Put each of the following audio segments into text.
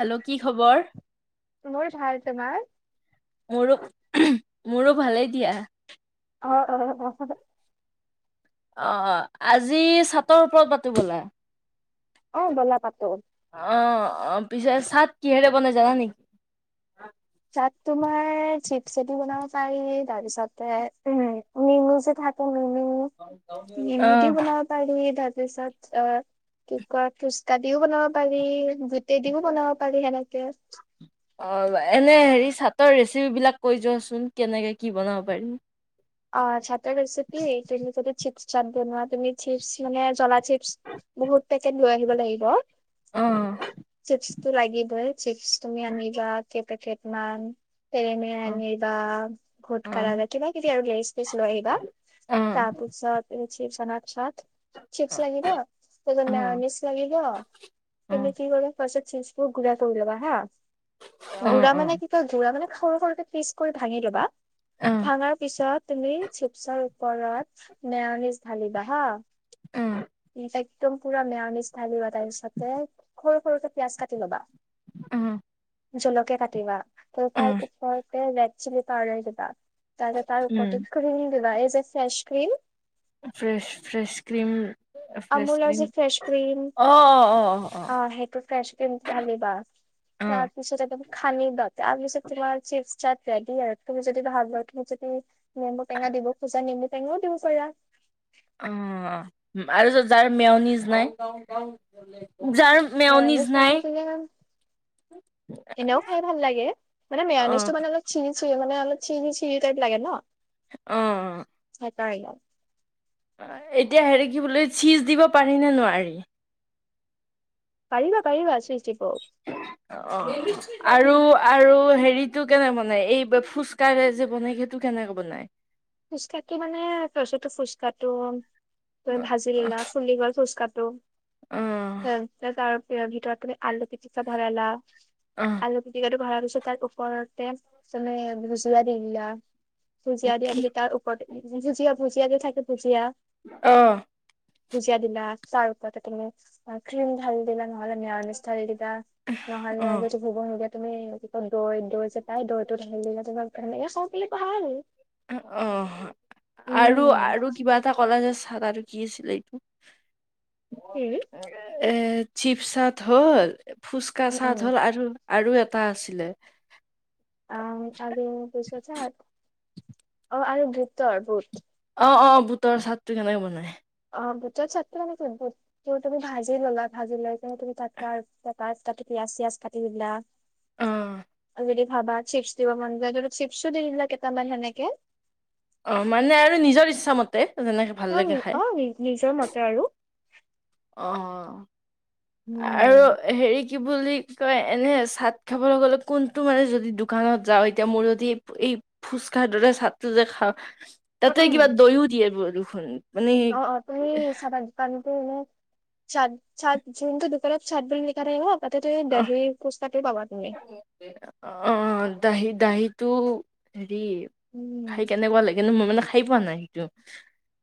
Hello কি খবৰ। মোৰ ভাল, তোমাৰ? মোৰো মোৰো ভালেই দিয়া। অ' অ' অ' অ'অ' আজি চাত ৰ ওপৰত পাতো ব'লা, অ', ব'লা পাতো। অ' অ' পিছে চাট কিহেৰে বনাই জানা নেকি। চাত তোমাৰ চিত চেতি বনাব পাৰি, তাৰ পিছতে নেমু যে থাকে নেমু, অ' নেমুদিও বনাব পাৰি তাত তাৰ পিছত, অ' কি ক'য় ফুচকা দিও বনাব পাৰি গোটেই দিও বনাব পাৰি সেনেকে অ' এনে হেৰি চাটৰ ৰেচিপ বিলাক কৈ যোৱাচোন কেনেকে কি বনাব পাৰি। অ' চাতৰ ৰেচিপি, তুমি যদি চিপ চাত বনোৱা, তুমি চিপ মানে জ্বলা চিপছ বহুত পেকেট লৈ আহিব লাগিব অ' চিপছটো লাগিবই, চিপছ তুমি আনিবা কেই পেকেট মান টেৰেমেৰে অ' আনিবা ভোট অ' কাৰ কিবা কিবি আৰু লেইজ ছ লৈ আহিবা, অ' অ' তাৰপিছত চিপছ অনাৰ পিছত চিপছ লাগিব তাৰপিছত অ' মেয়নিছ লাগিব অ' তুমি কি কৰিব চিপছবোৰ গুৰা কৰি ল'বা হাঁ, অ' অ' গুৰা মানে কি কয় গু়ৰা মানে সৰু সৰুকে পিচ কৰি ভাঙি ল'বা, অ' ভাঙাৰ ছত তুমি চিপছৰ ওপৰত মেয়নিচ ঢালিবা হাঁ একদম পুৰা মেয়নিছ ঢালিবা, তাৰ পিছতে সৰু সৰুকে পিয়াজ কাটি ল'বা আহ জলকীয়া কাটিবা ত তাৰ ওপৰতে ৰেড চিলি পাউদাৰ দিবা তাতে তাৰ উপৰতে উম, ক্ৰীম দিবা এই যে fresh cream fresh fresh cream fresh আমুলৰ ক্ৰীম যে ফ্ৰেছ ক্ৰীম অ' সেইটোত ফ্ৰেছ ক্ৰীম আনিবা অ' তাৰপিছত এটা সানিবা, তাৰপিছত তোমাৰ চিপ চাট ৰেডি আৰু তুমি যদি ভাল পোৱা তুমি যদি নেমু টেঙা দিব খোজা নেমু টেঙাও দিব পাৰা অ' আৰু যাৰ মেয়নিজ নাই। যাৰ মেয়নিজ নাই [unintelligible] এনেও খাই ভাল লাগে, মানে অ', মেয়নিছটো মানে অলপ চিনি চিলি মানে অলপ চিনি চিলি টাইপ লাগে ন। অ। নাই। এতিয়া হেৰি কি বোলো চিজ দিব পাৰিনে নোৱাৰি। পাৰিবা পাৰিবা চিজ দিব। [unintelligible] অ অ আৰু আৰু হেৰিটো কেনে বনাই এই ফুচকাৰে যে বনাই সেইটো। কেনেকে বনাই। ফুচকাটো মানে তাৰপিছতো ফুচকাটো তুমি ভাজি লা ফুলি গ'ল ফুচকাত অ', তাৰ ভিতৰত তুমি আলু পিটিকা ভৰালা অ', আলু পিটিকাটো ভৰাৰ পিছত তাৰ ওপৰতে তুমি ভুজিয়া দি দিলা ভুজিয়া কি দিয়া তাৰ ওপৰত ভুজিয়া ভুজিয়া যে থাকে ভুজিয়া অ' ভুজিয়া দিলা তাৰ ওপৰতে তুমি ক্ৰীম ঢালি দিলা নহ'লে মেওনিছ ঢালি দি। এতিয়া নহলে অ', আজি। [unintelligible] তুমি দৈ দৈ যে পাই দৈটো ঢালি দিলা তোমাক তেনেকে খাওঁ পাৰিলে পাৰা আৰু। অ আৰু আৰু কিবা এটা কলাজ আছে। থকাতো আৰু কি আছিলে এইটো। হম। এ চিপ চাট হ'ল ফুচকা উম চাট উম হ'ল আৰু। আৰু এটা আছিলে। অহ আলু ভূজিয়া চাট অ আৰু বুতৰ বুত। অ অ বুটৰ চাট টো কেনেকে বনাই। অ বুটৰ চাটটো মানে তুমি ভাজি ল'লা ভাজি লৈ কিনে তুমি তাত তাতে পিয়াজ। পিয়াজ চিয়াজ কাটি দিলা। অহ। বুলি ভাবা চিপছ দিব মন যায় চিপছো দি দিলা কেইটামান সেনেকে। অ মানে আৰু নিজৰ ইচ্ছাামতে। যেনেকে ভাল অ', লাগে খাই। অ নিজৰ মতে আৰু অ আৰু উম, হেৰি। কি বুলি কয় এনে চাট খাবলৈ গ'লে কোনটো মানে যদি দোকানত যাওঁ এতিয়া মোৰ যদি। ফুচকা দৰে চাটটো যে খাওঁ তাতে কিবা উম, দৈও দিয়ে দেখোন। মানে অ অ তুমি চাবা পানী। উম চাট চাট যোনটো দোকানত চাট বুলি লিখা থাকিব। তাতে তুমি অ দহি ফুচকাত পাবা তুমি। অ দাহি দাহিটো হেৰি উম, খাই কেনেকুৱা লাগে নো মই মানে খাই পোৱা নাই সেইটো।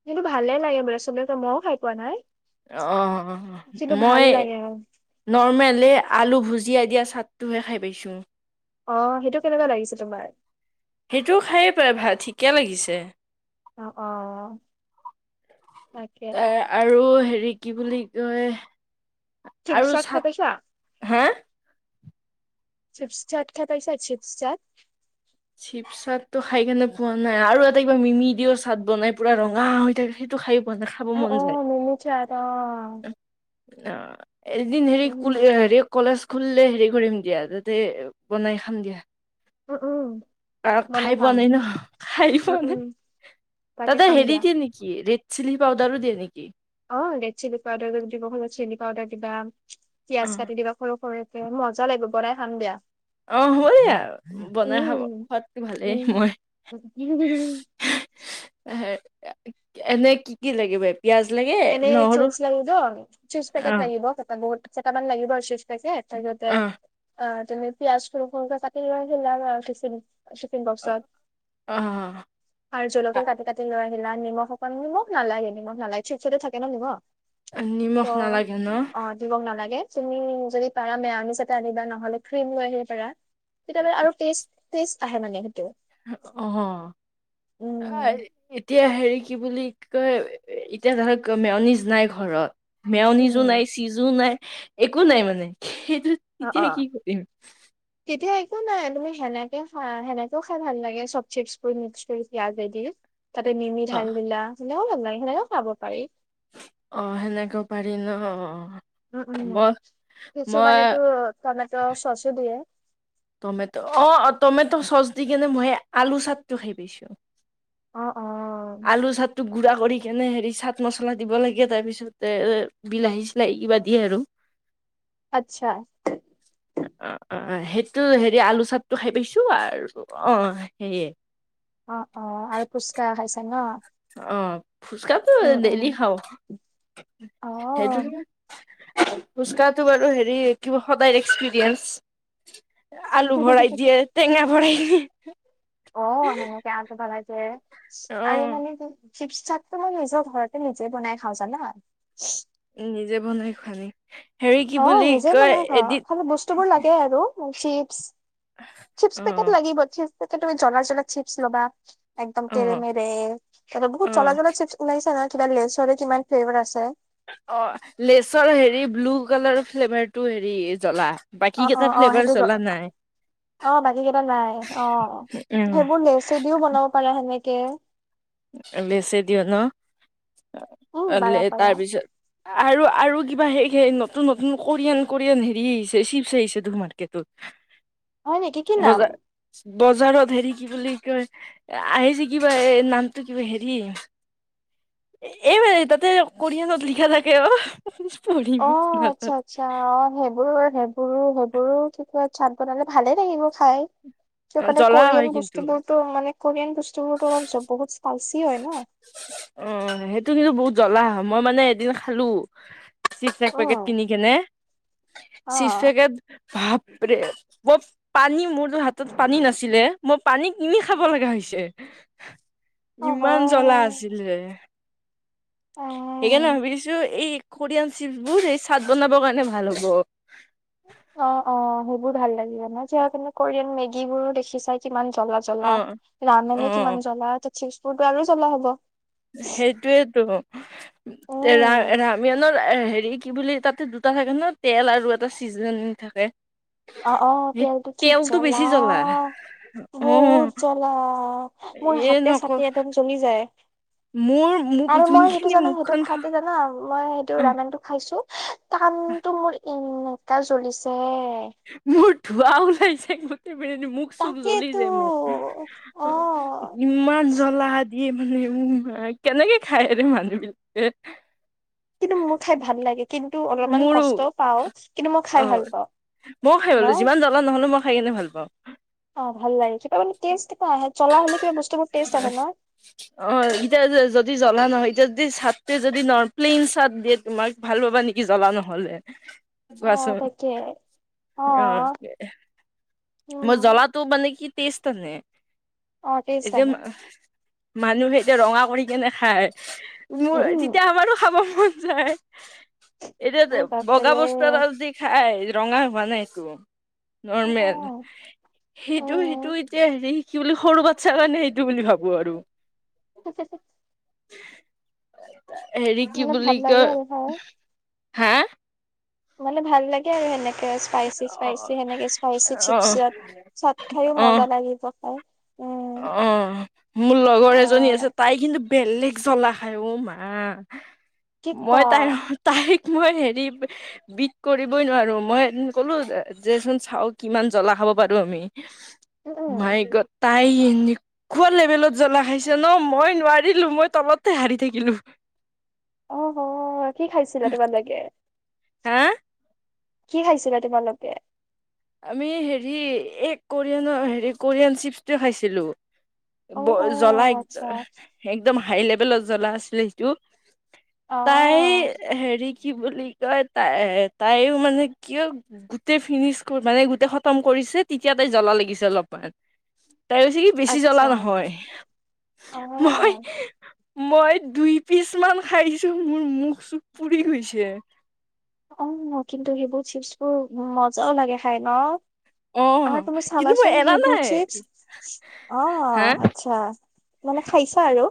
সেইটো ভালে লাগে বোলে চবকে মইও খাই পোৱা নাই। অ কিন্তু ভাল মই লাগে নৰ্মেলি আলু ভুজ। জীয়াই দিয়া চাটটোহে খাই পাইছোঁ। অ সেইটো কেনেকুৱা লাগিছে তোমাৰ। সেইটোও খায়ে পায় ভাল ঠিকে লাগিছে। অ অ তাকে। তাৰ আৰু হেৰি কি বুলি কয় তুমি আৰু চট খাই চাট পাইছা? হা। চিপছ চাট খাই পাইছা চিপছ চাট। চিপ চাট টো খাই কেনে পোৱা নাই আৰু এটা কিবা মিমি দিও চাট বনাই পুৰা ৰঙা হৈ থাকে সেইটো খাই। [unintelligible] খাব অ', মন যায়। অ', মিমি চাট অ'। অ এদিন হেৰি উম, হেৰি কলেজ। খুলে হেৰি কৰিম দিয়া তাতে বনাই খাম দিয়া। উম, উম, অহ খাই বনাই পোৱা খাম। নাই নহ খাই উম, পোৱা উম, নাই। তাকে তাতে খাম হেৰি দিয়া। দিয়ে নেকি ৰেড চিলি পাউদাৰো দিয়ে নেকি। অ' ৰেড চিলি পাউদাৰ দিব সময় চিলি পাউদাৰ দিবা। অ পিয়য়াজ কাটি দিবা সৰু সৰু এ মজা লাগিব বনাই খাম দিয়া। অ' হুইয়া বনাই খাব খোৱাদ তো ভালেই মই। কি [inaudible] এনে কি কি লাগিব। পিয়াজ লাগে এনে নহৰু চিপছ লাগিব। চিপছ পেকেট অ লাগিব। তাৰ পৰা বুট কেতামান লাগিব আৰু চিপ পেকেট তা পিছতে অ [inaudible] শ্বিফিং অ বক্সত অ' আৰু জলকীয়া কাটি কাটি লয়। জ্বলা নিমখ অকন নিমখ নালাগে নিমখ নালাগে চিপচতে থাকে নহ নিমখ। ত নিমখ নালাগে ন? অ নিমখ নালাগে। তুমি যদি পাৰা মেওঁনিছ আনিবা নহলে ক্ৰীম লৈ আহিব পাৰা। তেতিয়লে আৰু টেষ্ট টেষ্ট আহে মানে। অহ উম এতিয়া হেৰি। কি বুলি কয় এতিয়া ধৰক মেওঁনিজ নাই ঘৰত। উম মেওনিযোৰ উম নাই চিযোৰ নাই একো নাই মানে। অ' তেতিয়া কি অ' কৰিম? তেতিয়া একো নাই তুমি সেনেকে খা সেনেকেও খাই ভাল লাগে চব চিপচবোৰ মিক্স কৰি পিয়াজে দি। তাতে মিমি অ' ধাল বিলা সেনেকও ভাল লাগে সেনেকেও খাব পাৰি। অ' সেনেকে পাৰি ন অ'। উম, উম। মই মই টমেট অ অ টমেট' চচ দি কিনে মই আলু চাটটো খাই পাইছো। অ অ আলুৰ চাদটো গুড়া কৰি কেনে হেৰি চাট মছলা দিব লাগে। [inaudible] [inaudible] [unintelligible] অ' অ' আৰু ফোচকা খাইছা ন। অ ফুচকাটো উম উম ৰ্ডেলি খাও। অ সেইটোনো ফুচকাটো বাৰু সদাই এক্সপ্ৰিয়েন্স। অ আলু ভৰাই দিয়ে টেঙা ভৰাই দিয়ে। অ' সেনেকে আম টো বনাইছে আৰু অ', মানে কি ছিবচাটো মই নিজৰ ঘৰতে নিজে বনাই খাওঁ জানা। উ নিজে বনাই খোৱা নি। অ' নিজে বনাই খাও। খালি বস্তু বোৰ লাগে আৰু। চিপ চিপ পেকেট অ', লাগিব চিপ পেকেট জলা জলা চিপ লবা। একদম তেৰে অ', মেৰে অ', [unintelligible] অ' লেচৰ হেৰি ব্লু কালাৰ ফ্লেভাৰটো হেৰি অ বাকী অ কেইটা অ ফ্লেভাৰ সেইটো জ- জলা নাই। অ' বাকী কেইটা নাই অ' উম, সেইবোৰ লেচেদিও বনাব পাৰে সেনেকে। লেছে দিঅ উম ন। বাৰা পাৰা তাৰপিছত আৰু আৰু কিবা হেই সেই নতুন নতুন কোৰিয়ান কোৰিয়ান হেৰি আহিছে চিপছ আহিছে ত মাৰ্কেটত। উ হয়, নেকি কি নাম। বজাৰত হেৰি কি বুলি কয় এ আহিছে কিবা এ না টো কিবা হেৰি এই বোৰে তাতে কৰিয়ানত লিখা থাকে অ' পঢ়িব অ' আচ্ছা, আচ্ছা, অ' সেইবোৰ সেইবোৰো সেইবোৰো তেতিয়া চাত বনালে ভালে লাগিব খাই। সেইকাৰণে জ্বলা হয় কোৰিয়ান কিন্তু বস্তু বোৰতো মানে কোৰিয়ান বস্তু বোৰতো অলপ বহুত পালচি হয় ন। অ সেইটো কিন্তু বহুত জ্বলা হয় মই মানে এদিন খালো চিপ এক পেকেট উম, কিনি কেনে চিপ অ'। পেকেট ভাপৰে মই পানী মোৰ হাতত পানী নাছিলে মই পানী কিনি খাব লগা হৈ হৈছে অহ, ইমান জলা আছে উ সেইকাৰণে অ', ভাবিছো এই কৰিয়ান চিপছবোৰ এই চাদ বনাব কাৰণে ভাল হ'ব অ' অ' সেইবোৰ ভাল লাগিব ন। চেয়া তুমি কৰিয়ান মেগী বোৰো জ্বলা জ্বলা অ অ ৰামনে কিমান জ্বলা ত' চিপবোৰতো আৰু জ্বলা হ'ব। সেইটোয়েতো ৰা উম ৰামিয়ানৰ হেৰি কি বুলি তাতে দুটা থাকে ন তেল আৰু এটা চিজেন থাকে। অ' অ' সেই তেলতো কি তেলটো দাদা। বেছি জ্বলা অ বহুত জ্বলা মোৰ এ হাতে নক চাতে এদম জ্বলি যায়। মোৰ মোক আৰু মই যোনখিনি সেইটো জানা সেইটো মুখখন খা খোৱাত জানা মই অ সেইটো ৰান্নাটো খাইছো টানটো মোৰ এনোকা জ্বলিছে মোৰ ধোৱা ওলাইছে মুখ চুখ জ্বলি তাকেইতো যায় অ মোৰ ইমান জ্বলা দে মানে উ মা কেনেকে খায়ৰে মানুহ বিলাকে কিন্তু মোৰ খাই ভাল লাগে কিন্তু অলপমান মোৰো কষ্টও পাও কিন্তু মই খাই ভাল পাওঁ ময়ও খাই ন গলো যিমান জ্বলা নহলেো মই খাই কিনে ভাল পাওঁ অ ভাল লাগিছে মানে ক আহ জ্বলা হলে কিবা বস্তুবোৰ টেষ্ট আহে ন অ এতিয়া যদি জ্বলা নহয় এতিয়া চাটটে যদি ন প্লেইন চাট দিয়ে তোমাক ভাল পাবা নেকি জ্বলা নহ'লে অ কোৱাচোন তাকে অ মোৰ উম জ্বলাটো মানে কি টেষ্ট আনেে অ এই টেষ্ট যে আহে মানুহে এতিয়া ৰঙা কৰি কেনে খায় মোৰ উম তেতিয়া আমাৰো খাব মন যায় মোৰ এতিয়া বগা বাপৰে বস্তু এটা যদি খাই ৰঙা হোৱা নাই একো নৰ্মেল উম সেইটো সেইটো উম এতিয়া হেৰি কি বুলি সৰু বাচ্ছাৰ কাৰণে এইটো বুলি ভাবো আৰু [inaudible] হেৰি কি মানে বুলি ভাল লাগে আৰু খাই কই হা মানে ভাল লাগে আৰু সেনেকে স্পাইচি অ স্পাইচি সেনেকে স্পাইচি অ চিপচত চাত খাইও মজা লাগিব খাই উম অ মোৰ লগৰ এজনী আছে অ' তাই কিন্তু বেলেগ জ্বলা খাই উ মা কি মই কোৱা তাই তাই মই হেৰি বিট কৰিবই নোৱাৰো মই ক'লো দেচোন চাও কিমান জ্বলা খাব পাৰো আমি, উম উম মায়ে ক তাই এনেকুৱা লেভেলত জ্বলা খাইছে ন মই নোৱাৰিলো মই তলতে হাৰি থাকিলো। [inaudible] অ', অ', কি খাইছিলা তোমালোকে?। হা কি খাইছিলা তোমালোকে?। আমি হেৰি এ কোৰিয়ানৰ হেৰি কোৰিয়ান চিপছটোৱ খাইছিলোঁ। অ' ব অ' জ্বলা আচ্ছা একদ-একদম হাই লেভেলত জ্বলা আছিলে সেইটো। তাই অ' হেৰি কি বুলি কয় তাই-তাইয়ো মানে কিয় গোটেই ফিনিছ মানে গোটেই খতম কৰিছে তেতিয়া তাই জ্বলা লাগিছে অলপমান। তাই কৈছে কি বেছি জ্বলা আচ্ছা নহয়। মই অ' মই দুই পিচ মান খাইছো মোৰ মুখ-চুখ পুৰি গৈছে। অ', কিন্তু সেইবোৰ চিপছবোৰ মজাও লাগে খাই ন। অ আ তুমি কিন্তু চাবা মই চোন এৰা হেইবোৰ নাই চিপচ, হা অ', আচ্ছা। মানে খাইছা আৰু।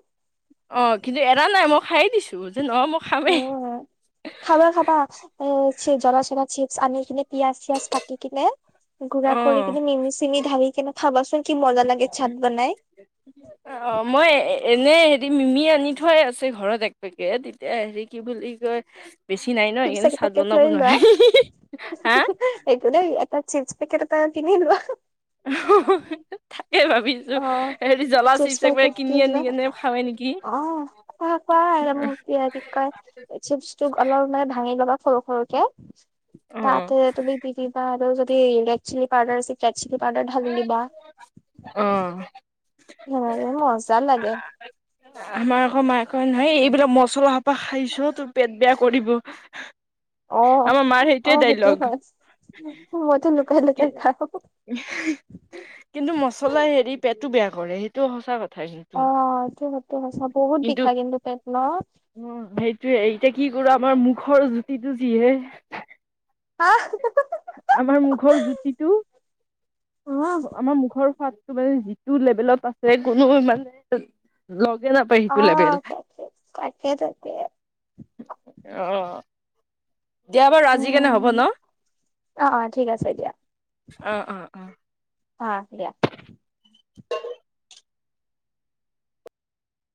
অ', কিন্তু এৰা নাই মই খায়েই দিছো, যে নহয় মই খামেই। উম খাবা খাবা এ, চি জলা চলা চিপছ আনি কিনে পিয়াজ চিয়াজ কাটি কিনে গুৰা অ কৰি কিনি মিমি ছিঙি ঢাৰি কিনে খাবাচোন কি মজা লাগে চাত বনাই। অ', অ', মই এ এনে হেৰি মিমি আনি থোৱাই আছে ঘৰত এক পেকেট, এতিয়া হেৰি কি বুলি কয় বেছি নাই ন চিপচ সেইকাৰণে এক চাট পেকেট বনাব লৈ লোৱা নোৱাৰি হা [inaudible] একো নাই তাত চিপচ পেকেট এটা কিনি লোৱা। [inaudible] থাকে ভাবিছো, অ হেৰি জ্বলা চিপছ চিপচ পেকেট এপকেট কিনি আনি লোৱা কেনে খাৱে নেকি। [unintelligible] চিপচটোক অলপ মানে ভাঙি লবা। সৰু-সৰুকে, অ তাতে তুমি দি দিবা আৰু যদি ৰেড চিলি পাউদাৰ আছে ৰেডচিলি পাউডাৰ ঢালি দিবা। অ'। [inaudible] মজা লাগে। আমাৰ আকৌ মায়ে কয় নহয়, এইবিলাক মচলা সোপা খাইছ তোৰ পেট বেয়া কৰিব। [inaudible] অ', আমাৰ মাৰ সেইটোৱে অ', সেইটো ডাইলগ হয়। মইতো লুকাই লুকাই খাওঁ। কিন্তু মচলা হেৰি পেটো বেয়া কৰে, সেইটো সঁচা কথা অ', কিন্তু। এইটো সেইটো সঁচা বহুত কিন্তু, বিষাই পেট ন? উম, সেইটয়ে এই এতিয়া কি কৰো আমাৰ মুখৰ জুতিটো যিহে। [inaudible] আমাৰ মুখৰ জুতিটো। উম, আমাৰ মুখৰ সোৱাদটো মানে যিটো লেভেলত আছে কোনো মানে, লগ এ নাপায় সিটো লেবেল। অ', তাকে তাকে তাকে অ'। দিয়া বাৰু আজি কেনে হ'ব উম, ন'। অ', অ', ঠিক আছে দিয়া, অ অ অ হা দিয়া।